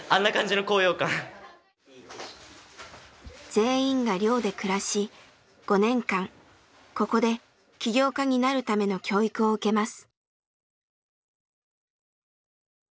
全員が寮で暮らし５年間ここで起業家になるための教育を受けます。